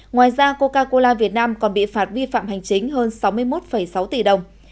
ngoài ra coca cola việt nam còn bị phạt vi phạm hành chính hơn sáu mươi một sáu tỷ đồng